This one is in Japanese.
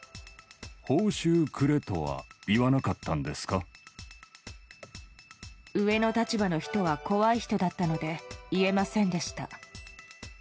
報酬くれとは言わなかったん上の立場の人は怖い人だったので、言えませんでした。